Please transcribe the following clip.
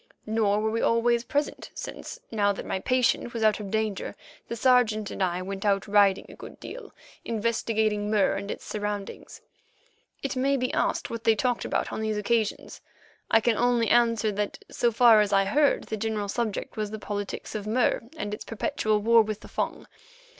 Nor were we always present, since, now that my patient was out of danger the Sergeant and I went out riding a good deal—investigating Mur and its surroundings. It may be asked what they talked about on these occasions. I can only answer that, so far as I heard, the general subject was the politics of Mur and its perpetual war with the Fung.